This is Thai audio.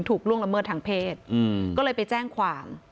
ล่วงละเมิดทางเพศก็เลยไปแจ้งความ